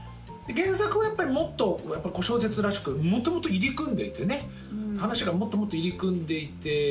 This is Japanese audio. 原作はもっと小説らしくもともと入り組んでいてね話がもっともっと入り組んでいて。